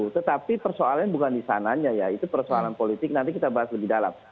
tetapi persoalannya bukan di sananya ya itu persoalan politik nanti kita bahas lebih dalam